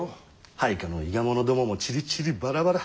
配下の伊賀者どももちりちりバラバラ。